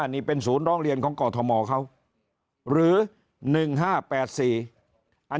นี่เป็นศูนย์ร้องเรียนของกอทมเขาหรือ๑๕๘๔อัน